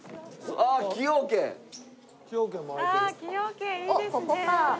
ああ崎陽軒いいですね。